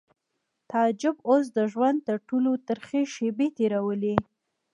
تعجب اوس د ژوند تر ټولو ترخې شېبې تېرولې